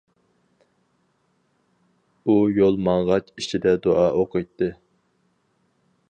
ئۇ يول ماڭغاچ ئىچىدە دۇئا ئوقۇيتتى.